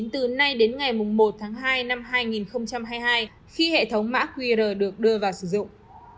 từ nay đến ngày một tháng hai năm hai nghìn hai mươi hai khi hệ thống mã qr được đưa vào sử dụng